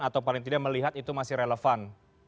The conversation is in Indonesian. atau paling tidak melihat itu masih relevan